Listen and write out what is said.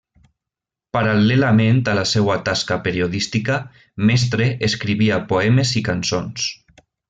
Paral·lelament a la seua tasca periodística, Mestre escrivia poemes i cançons.